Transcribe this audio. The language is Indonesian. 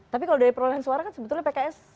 tapi kalau dari perolehan suara kan sebetulnya pks